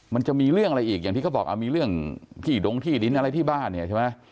มันจะมีเรื่องอะไรอีกอย่างที่เขาบอกมีเรื่องที่ดงที่ดินอะไรที่บ้านเนี่ยใช่ไหม